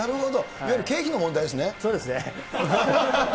いわゆる経費の問そうですね。